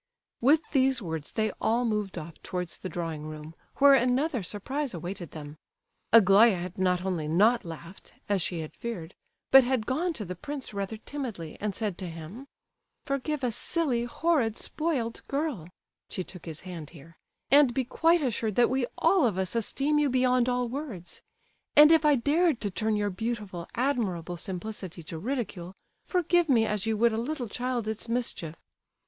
With these words they all moved off towards the drawing room, where another surprise awaited them. Aglaya had not only not laughed, as she had feared, but had gone to the prince rather timidly, and said to him: "Forgive a silly, horrid, spoilt girl"—(she took his hand here)—"and be quite assured that we all of us esteem you beyond all words. And if I dared to turn your beautiful, admirable simplicity to ridicule, forgive me as you would a little child its mischief.